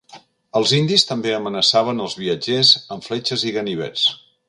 Els indis també amenaçaven als viatgers amb fletxes i ganivets.